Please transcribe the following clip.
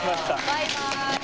バイバイ。